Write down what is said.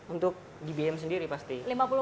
untuk gbm sendiri pasti